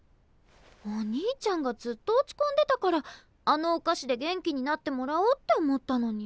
お兄ちゃんがずっと落ちこんでたからあのお菓子で元気になってもらおうって思ったのに。